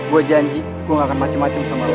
gua janji gua gak akan macem macem sama lo